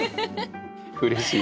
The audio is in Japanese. うれしい。